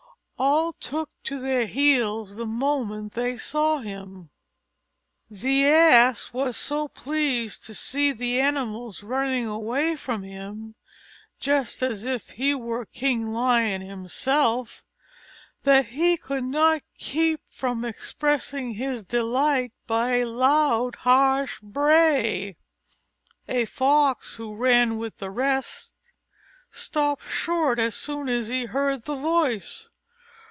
All took to their heels the moment they saw him. The Ass was so pleased to see the animals running away from him, just as if he were King Lion himself, that he could not keep from expressing his delight by a loud, harsh bray. A Fox, who ran with the rest, stopped short as soon as he heard the voice.